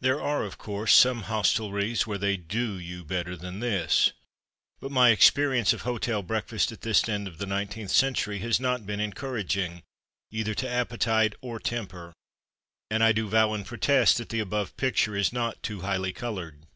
There are, of course, some hostelries where they "do" you better than this, but my experience of hotel breakfasts at this end of the nineteenth century has not been encouraging, either to appetite or temper; and I do vow and protest that the above picture is not too highly coloured.